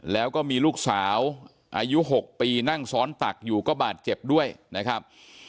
แล้วก็มีลูกสาวอายุ๖ปีนั่งซ้อนตักอยู่ก็บาดเจ็บด้วยนะครับ